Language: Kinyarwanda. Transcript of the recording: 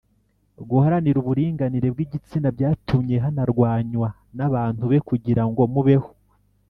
guharanira uburinganire bw igitsina byatumye hanarwanywa n abantu be kugira ngo mubeho